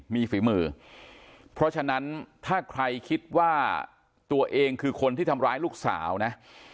มีฝีมือเพราะฉะนั้นถ้าใครคิดว่าตัวเองคือคนที่ทำร้ายลูกสาวนะ